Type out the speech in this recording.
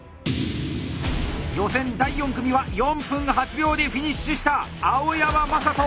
予選第４組は４分８秒でフィニッシュした青山真人。